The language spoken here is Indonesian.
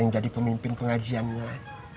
yang jadi pemimpin pengajiannya